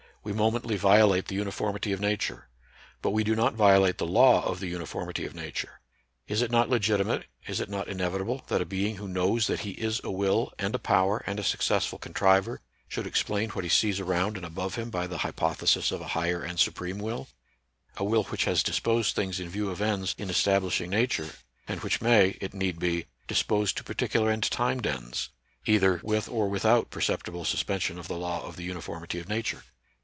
"We momently violate the uniformity of Nature. But we do not violate the law of the uniformity of Nature. Is it not legitimate, is it not inev 94 NATURAL SCIENCE AND RELIGION. itable, that a being wlio knows that he is a will, and a power, and a sticcessful contriver, should explain what he sees around and above him by the hypothesis of a higher and supreme will ? A will which has disposed things in view of ends in establishing Nature, and which may, it need be, dispose to particular and timed ends, either with or without perceptible suspension of the law of the uniformity of Nature.